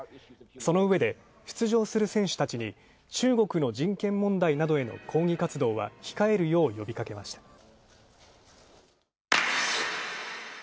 そのうえで出場する選手たちに中国の人権問題などへの抗議活動は控えるよう呼びかけました。